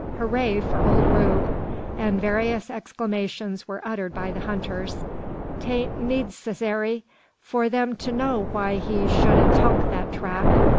"Hooraw for old Rube!" and various exclamations, were uttered by the hunters. "'Tain't needcessary for them to know why he shud 'a tuk that track.